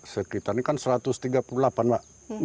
sekitar ini kan satu ratus tiga puluh delapan pak